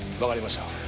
わかりました。